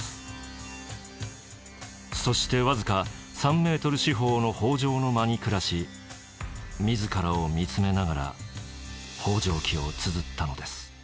そして僅か３メートル四方の方丈の間に暮らし自らを見つめながら「方丈記」をつづったのです。